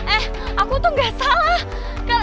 eh aku tuh gak salah